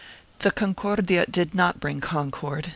1 The Concordia did not bring concord.